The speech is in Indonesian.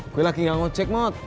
gue lagi gak mau cek mod